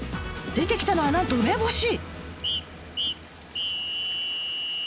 出てきたのはなんと梅干し！